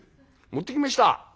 持ってきました」。